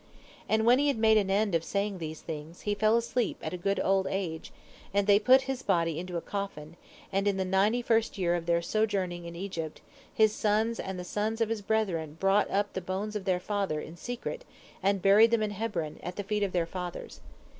And when he had made an end of saying these things, he fell asleep at a good old age, and they put his body into a coffin, and in the ninety first year of their sojourning in Egypt, his sons and the sons of his brethren brought up the bones of their father, in secret, and buried them in Hebron, at the feet of their fathers.